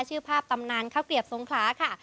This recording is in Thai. ชื่อภาพตำนานข้าวเกลียบทรงคลาค่ะ